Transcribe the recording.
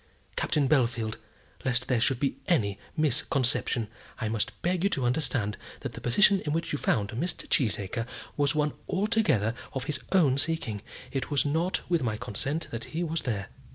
Captain Bellfield, lest there should be any misconception, I must beg you to understand that the position in which you found Mr. Cheesacre was one altogether of his own seeking. It was not with my consent that he was there."